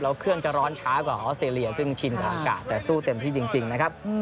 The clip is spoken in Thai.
แล้วเครื่องจะร้อนช้ากว่าออสเตรเลียซึ่งชินกับอากาศแต่สู้เต็มที่จริงนะครับ